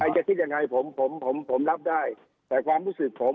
กระทิกอย่างไรผมรับได้แต่ความรู้สึกผม